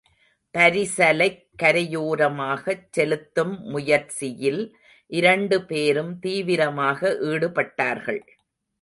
பரிசலைக் கரையோரமாகச் செலுத்தும் முயற்சியில் இரண்டு பேரும் தீவிரமாக ஈடுபட்டார்கள்.